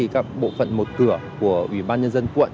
các bộ phận một cửa của ủy ban nhân dân quận